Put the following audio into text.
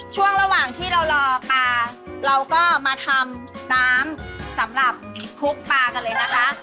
ช่วงระหว่างที่เรารอปลาเราก็มาทำน้ำสำหรับคลุกปลากันเลยนะคะ